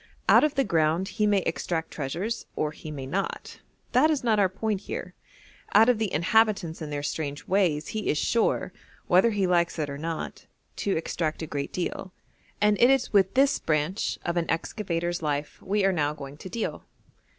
Out of the ground he may extract treasures, or he may not that is not our point here out of the inhabitants and their strange ways he is sure, whether he likes it or not, to extract a great deal, and it is with this branch of an excavator's life we are now going to deal.